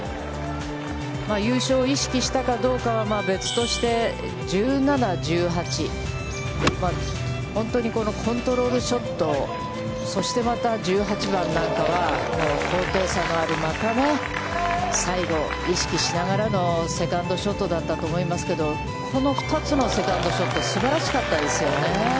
優勝を意識したかどうかは別として、１７、１８、本当にこのコントロールショット、そしてまた１８番なんかは、高低差のある、最後の意識しながらのセカンドショットだったと思いますけど、この２つのセカンドショット、すばらしかったですよね。